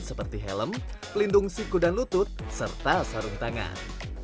seperti helm pelindung siku dan lutut serta sarung tangan